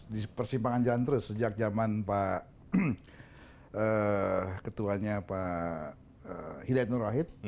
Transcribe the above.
di persimpangan jalan terus sejak zaman pak ketuanya pak hidayat nur wahid